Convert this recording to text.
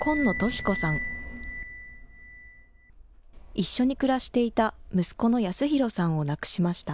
一緒に暮らしていた息子の祥大さんを亡くしました。